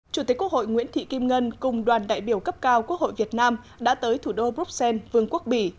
chủ tịch quốc hội nguyễn thị kim ngân cùng đoàn đại biểu cấp cao quốc hội việt nam đã tới thủ đô bruxelles vương quốc bỉ